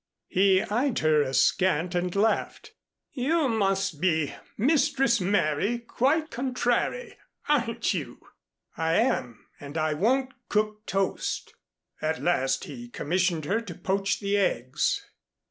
He eyed her askant and laughed. "You must be Mistress Mary, Quite Contrary, aren't you?" "I am, and I won't cook toast." At last he commissioned her to poach the eggs.